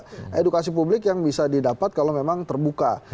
jadi itu adalah edukasi publik yang bisa didapat kalau memang terbuka